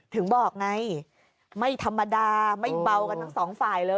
ถึงบอกไงไม่ธรรมดาไม่เบากันทั้งสองฝ่ายเลย